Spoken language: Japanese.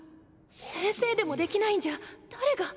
先生でもできないんじゃ誰が。